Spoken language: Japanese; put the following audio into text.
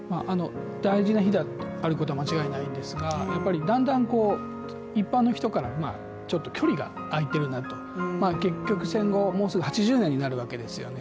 大事な日であることは間違いないんですが、だんだん、一般の人からちょっと距離が開いているような結局戦後、もうすぐ８０年になるわけですよね。